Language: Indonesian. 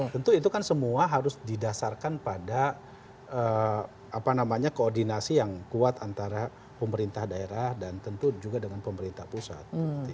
tentu itu kan semua harus didasarkan pada koordinasi yang kuat antara pemerintah daerah dan tentu juga dengan pemerintah pusat